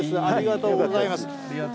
ありがとうございます。